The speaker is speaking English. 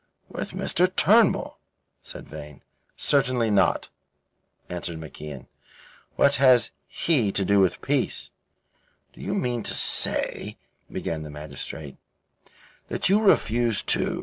"With Mr. Turnbull," said Vane. "Certainly not," answered MacIan. "What has he to do with peace?" "Do you mean to say," began the magistrate, "that you refuse to..."